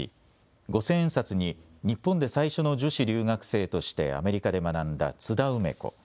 五千円札に日本で最初の女子留学生としてアメリカで学んだ津田梅子。